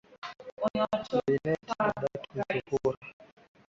Linet ni dadake Zuhra.